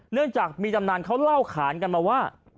เนื่องจากมีตำนานเขาเล่าขานกันมาว่า